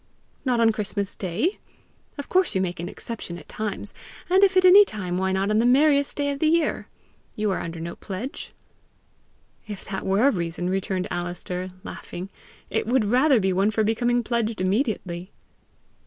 "Not on Christmas day? Of course you make an exception at times; and if at any time, why not on the merriest day of the year? You are under no pledge!" "If that were a reason," returned Alister, laughing, "it would rather be one for becoming pledged immediately."